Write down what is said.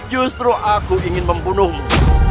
justru aku ingin membunuhmu